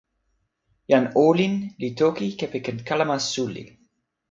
jan olin li toki kepeken kalama suli!